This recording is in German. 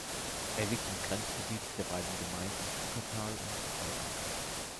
Er liegt im Grenzgebiet der beiden Gemeinden Schuttertal und Freiamt.